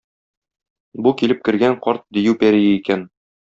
Бу килеп кергән карт дию пәрие икән.